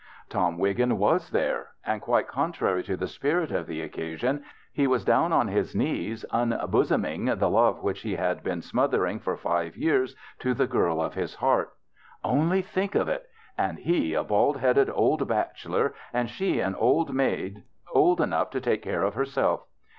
Tom Wiggin loas there, and quite contrary to the spirit of the occasion, he was down on his knees unbosoming the love which he had been smothering for five years to the girl of his heart. Only think of it ! And he, a bald headed old bachelor, and she an old maid old enough to take care of herself.